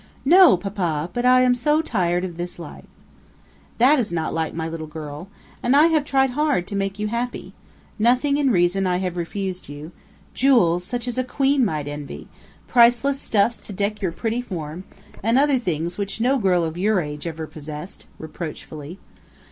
"No, papa; but I am so tired of this life." "That is not like my little girl. And I have tried hard to make you happy. Nothing in reason have I refused you jewels, such as a queen might envy; priceless stuffs to deck your pretty form, and other things which no girl of your age ever possessed," reproachfully.